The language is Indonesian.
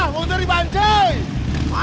bumahan itu pak